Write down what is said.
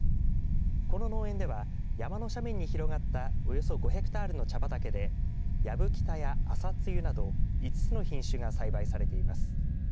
この農園では山の斜面に広がったおよそ５ヘクタールの茶畑でヤブキタやアサツユなど５つの品種が栽培されています。